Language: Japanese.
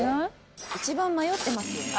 ［一番迷ってますよね］